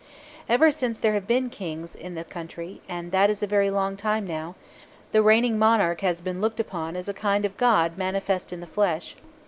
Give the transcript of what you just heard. Ever since there have been Kings in the country, and that is a very long time now, the reigning monarch has been looked upon as a kind of god manifest in the flesh.